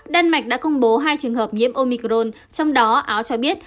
đan mạch đã công bố hai trường hợp nhiễm omicron trong đó áo cho biết